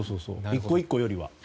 １個１個よりは。